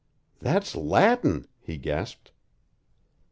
"That's Latin!" he gasped.